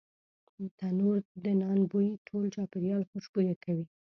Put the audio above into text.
تنوردنان بوی ټول چاپیریال خوشبویه کوي.